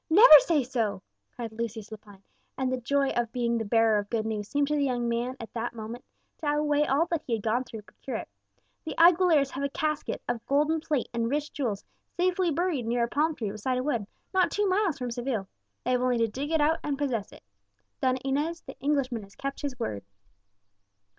"Never say so!" cried Lucius Lepine, and the joy of being the bearer of good news seemed to the young man at that moment to outweigh all that he had gone through to procure it. "The Aguileras have a casket of golden plate and rich jewels safely buried near a palm tree beside a wood, not two miles from Seville; they have only to dig it out and possess it. Donna Inez, the Englishman has kept his word."